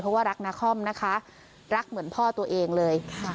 เพราะว่ารักนาคอมนะคะรักเหมือนพ่อตัวเองเลย